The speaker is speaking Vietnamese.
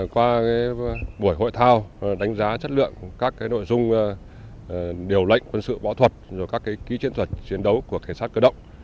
qua buổi hội thao đánh giá chất lượng các nội dung điều lệnh quân sự võ thuật các ký chiến thuật chiến đấu của ksat cơ động